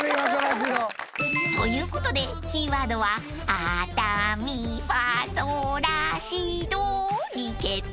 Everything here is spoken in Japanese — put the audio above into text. ［ということでキーワードは「あたみファソラシド」に決定］